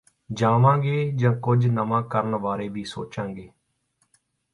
ਜਾਵਾਗੇ ਜਾਂ ਕੁਝ ਨਵਾਂ ਕਰਨ ਵਾਰੇ ਵੀ ਸੋਚਾਗੇਂ